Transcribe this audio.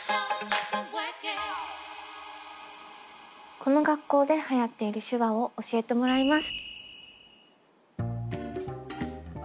この学校ではやっている手話を教えてもらいます。